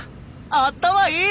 あったまいい！